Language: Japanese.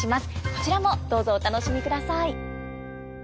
こちらもどうぞお楽しみください。